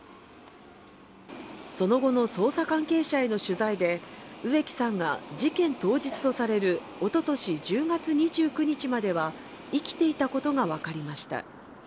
その後の捜査関係者への取材で植木さんが事件当日とされるおととし１０月２９日までは生きていたことがわかりました。